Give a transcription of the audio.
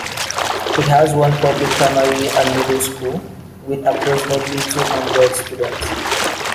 It has one public primary and middle school with approximately two hundred students.